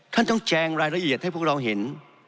ท่านต้องแจงรายละเอียดให้พวกเราเห็น